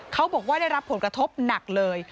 เขาบอกว่าได้รับผลกระทบหนักเลย